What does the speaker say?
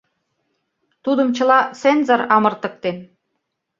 Тудым чыла цензор амыртыктен.